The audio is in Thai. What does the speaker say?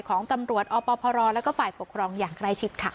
ของตำรวจอพรแล้วก็ฝ่ายปกครองอย่างใกล้ชิดค่ะ